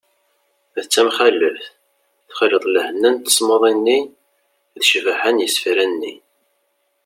d tamxaleft : texleḍ lehna n tasmuḍi-nni d ccbaḥa n yisefra-nni